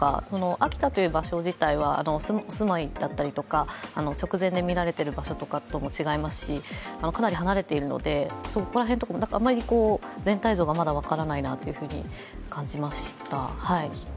秋田という場所自体は、住まいだったり、直前で見られている場所とも違いますし、かなり離れているので、全体像がまだ分からないなと感じました。